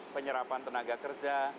penyerapan tenaga kerja